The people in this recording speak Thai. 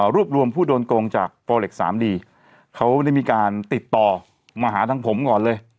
รวบรวมผู้โดนโกงจากโฟเล็กสามดีเขาได้มีการติดต่อมาหาทางผมก่อนเลย